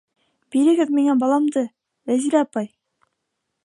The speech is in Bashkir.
Бирегеҙ миңә баламды, Вәзирә апай!